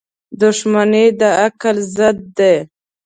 • دښمني د عقل ضد ده.